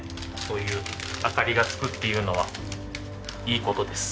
そういう明かりがつくっていうのはいい事です。